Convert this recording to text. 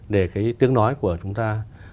để cái tiếng nói của chúng ta